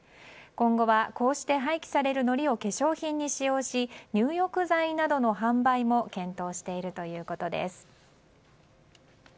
今後はこうして廃棄されるのりを化粧品に使用し入浴剤などの販売も検討しているということです。